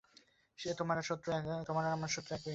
তোমার আর আমার শত্রু একই।